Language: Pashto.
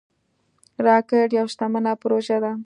راکټ یوه شتمنه پروژه ده